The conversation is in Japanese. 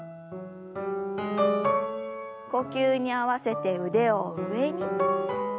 呼吸に合わせて腕を上に。